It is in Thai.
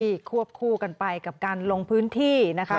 นี่ควบคู่กันไปกับการลงพื้นที่นะคะ